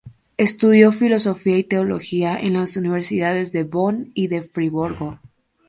Estudió filosofía y teología en las universidades de Bonn y de Friburgo.